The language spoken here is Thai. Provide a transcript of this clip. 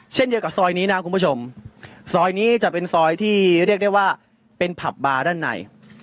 เช่นเดียวกับซอยนี้นะคุณผู้ชมซอยนี้จะเป็นซอยที่เรียกได้ว่าเป็นผับบาร์ด้านใน